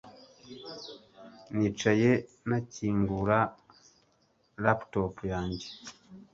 Nicaye nakingura laptop yanjye